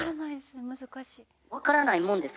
分からないです。